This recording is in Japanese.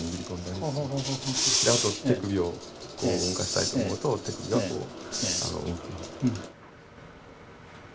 あと手首を動かしたいと思うと手首がこう動きます。